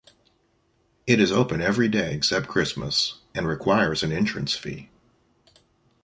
It is open every day except Christmas, and requires an entrance fee.